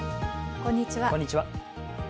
こんにちは。